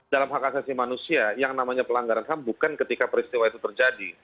dalam hak asasi manusia yang namanya pelanggaran ham bukan ketika peristiwa itu terjadi